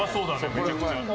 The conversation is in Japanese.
めちゃくちゃ。